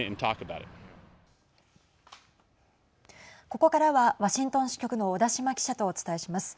ここからはワシントン支局の小田島記者とお伝えします。